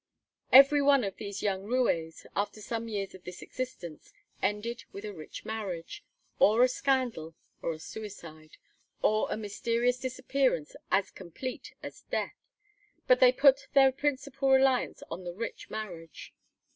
Everyone of these young roués, after some years of this existence, ended with a rich marriage, or a scandal, or a suicide, or a mysterious disappearance as complete as death. But they put their principal reliance on the rich marriage.